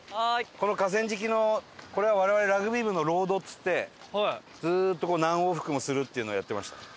この河川敷のこれは我々ラグビー部のロードっつってずっと何往復もするっていうのやってました。